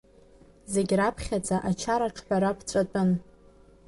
Зегь раԥхьаӡа, ачара аҽҳәара ԥҵәатәын.